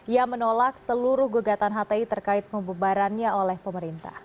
yang menolak seluruh gegatan hti terkait pembebarannya oleh pemerintah